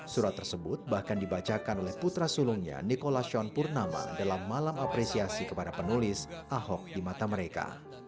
surat tersebut bahkan dibacakan oleh putra sulungnya nikola shan purnama dalam malam apresiasi kepada penulis ahok di mata mereka